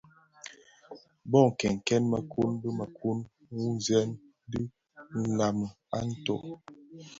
Bō kènkèn mëkun bi mëkun, wutsem dhi nlami a ntoo.